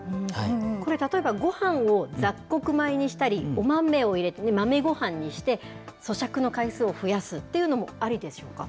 これ、例えばごはんを雑穀米にしたり、お豆を入れて豆ごはんにして、そしゃくの回数を増やすっていうんでもいいでしょうか。